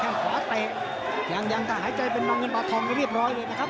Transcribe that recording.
แค่ขวาเตะยังแต่หายใจเป็นน้องเงินปลาทองเรียบร้อยเลยนะครับ